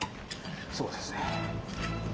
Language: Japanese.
そうですね。